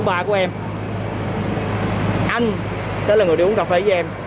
anh sẽ là người đi uống cà phê với em